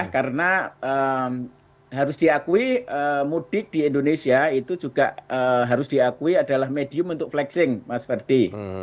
karena harus diakui mudik di indonesia itu juga harus diakui adalah medium untuk flexing mas faddi